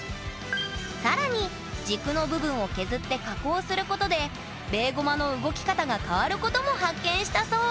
更に軸の部分を削って加工することでベーゴマの動き方が変わることも発見したそう！